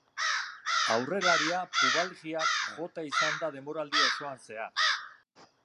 Aurrelaria pubalgiak jota izan da denboraldi osoan zehar.